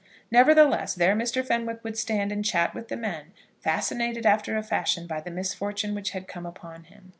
Nevertheless there Mr. Fenwick would stand and chat with the men, fascinated after a fashion by the misfortune which had come upon him.